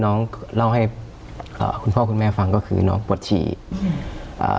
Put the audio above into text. เล่าให้อ่าคุณพ่อคุณแม่ฟังก็คือน้องปวดฉี่อืมอ่า